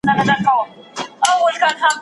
په څلورمه مرحله کي خلګ سوله خوښوي.